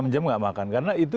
enam jam nggak makan karena itu